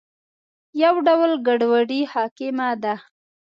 یو ډول ګډوډي حاکمه ده.